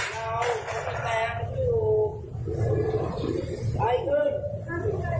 ขอบคุณค่ะ